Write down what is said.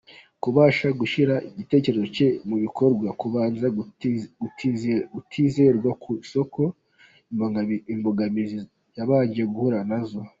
Kubasha gushyira igitekerezo cye mu bikorwa, kubanza kutizerwa ku isoko, imbogamizi yabanje guhura anzo.